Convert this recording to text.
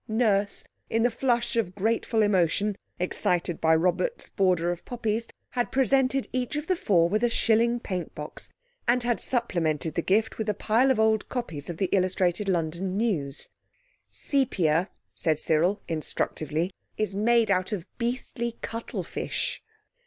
Nurse in the flush of grateful emotion, excited by Robert's border of poppies, had presented each of the four with a shilling paint box, and had supplemented the gift with a pile of old copies of the Illustrated London News. "Sepia," said Cyril instructively, "is made out of beastly cuttlefish."